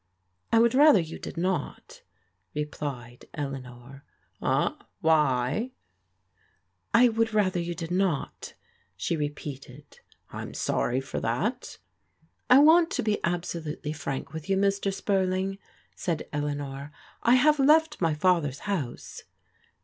" I would rather you did not," replied Eleanor. "Ah, why ?'*^ AT SPURLING AND KING'S 339 •* I would rather you did not/' she repeated. " I'm sorry for that." "I want to be absolutely frank with you, Mr, Spur ling," said Eleanor. " I have left my father's house."